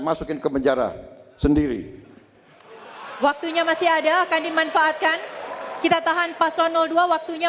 masukin ke penjara sendiri waktunya masih ada akan dimanfaatkan kita tahan paslon dua waktunya